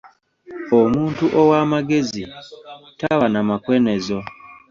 Omuntu ow'amagezi taba na makwenezo.